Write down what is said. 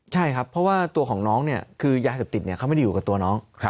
ใช่ครับเพราะว่าตัวของน้องเนี่ยคือยาเสพติดเขาไม่ได้อยู่กับตัวน้อง